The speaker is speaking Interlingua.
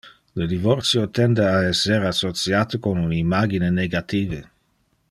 Le divorcio tende a esser associate con un imagine negative.